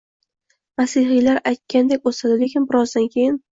Masihiylar aytganidek o'sadi, lekin birozdan keyin